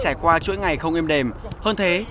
trải qua chuỗi ngày không im đềm hơn thế